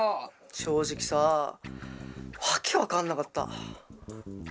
正直さあ訳分かんなかった。